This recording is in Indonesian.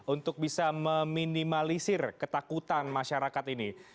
untuk bisa meminimalisir ketakutan masyarakat ini